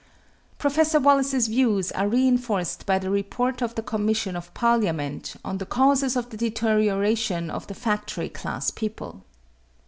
Professor Wallace's views are reinforced by the report of the commission of Parliament on the causes of the deterioration of the factory class people.